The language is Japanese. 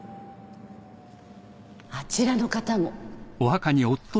あちらの方も。